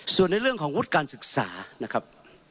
ส่วนในเรื่องของวุฒิการศึกษานะครับ